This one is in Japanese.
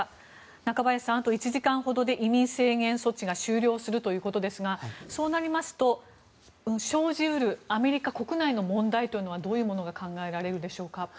中林さん、あと１時間ほどで移民制限措置が終了するということですがそうなりますと、生じうるアメリカ国内の問題というのはどういうものが考えられるでしょうか。